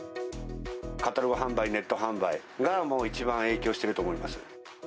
カタログ販売、ネット販売が、もう一番影響していると思います。